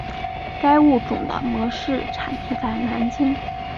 该物种的模式产地在南京。